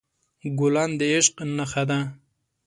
ګلان د عشق نښه ده.